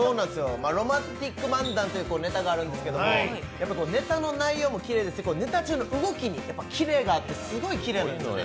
ロマンティック漫談というネタがあるんですけどネタの内容もきれいですし、ネタ中の動きにキレがあってすごいきれいなんです。